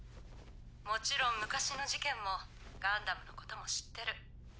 もちろん昔の事件もガンダムのことも知ってる。